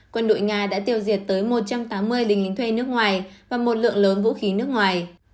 quân đội nga đã tiêu diệt tới một trăm tám mươi đình lính thuê nước ngoài và một lượng lớn vũ khí nước ngoài